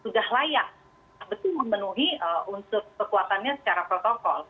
dan itu memenuhi unsur kekuatannya secara protokol